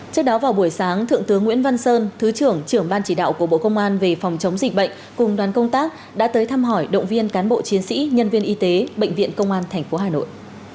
trước đó vào buổi sáng thượng tướng nguyễn văn sơn thứ trưởng trưởng ban chỉ đạo của bộ công an về phòng chống dịch bệnh cùng đoàn công tác đã tới thăm hỏi động viên cán bộ chiến sĩ nhân viên y tế bệnh viện công an tp hà nội